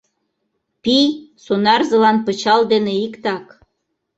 Пий — сонарзылан пычал дене иктак.